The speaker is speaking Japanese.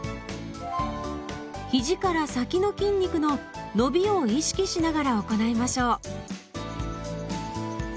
ひじから先の筋肉の伸びを意識しながら行いましょう。